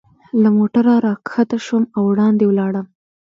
له موټره را کښته شوم او وړاندې ولاړم.